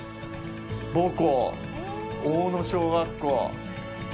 母校、大野小学校。